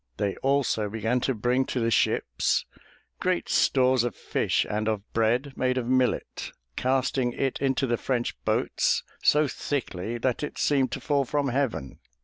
They also began to bring to the ships great stores of fish and of bread made of millet, casting it into the French boats so thickly that it seemed to fall from heaven.